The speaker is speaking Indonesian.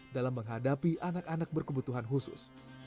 dalam menghadapi anak anak berkebutuhan khusus